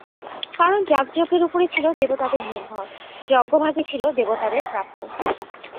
কারণ যাগযজ্ঞের উপরই ছিল দেবতাদের নির্ভর, যজ্ঞভাগই ছিল দেবতাদের প্রাপ্য।